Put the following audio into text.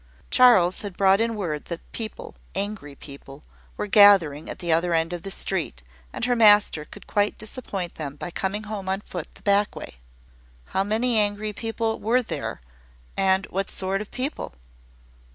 Charles had brought in word that people angry people were gathering at the other end of the street, and her master could quite disappoint them by coming home on foot the back way. How many angry people were there! and what sort of people?